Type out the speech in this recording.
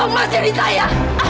kalau mas jadi saya